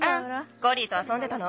コリーとあそんでたの？